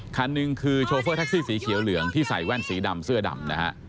คันหนึ่งคือโชเฟอร์แท็กซี่สีเขียวเหลืองที่ใส่แว่นสีดำเสื้อดำนะฮะ